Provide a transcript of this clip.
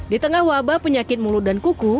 di tengah wabah penyakit mulut dan kuku